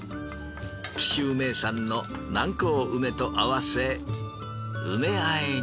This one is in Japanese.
紀州名産の南高梅と合わせ梅和えに。